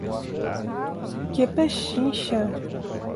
Que pechincha!